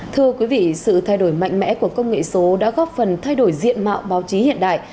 thưa quý vị sự thay đổi mạnh mẽ của công nghệ số đã góp phần thay đổi diện mạo báo chí hiện đại